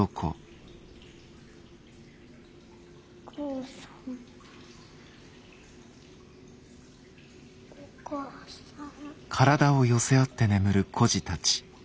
母さんお母さん。